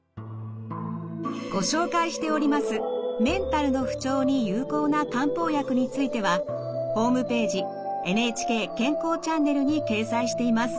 ご紹介しておりますメンタルの不調に有効な漢方薬についてはホームページ「ＮＨＫ健康チャンネル」に掲載しています。